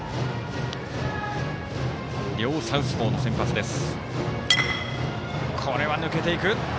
両サウスポーの先発です。